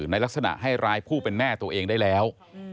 ในลักษณะให้ร้ายผู้เป็นแม่ตัวเองได้แล้ว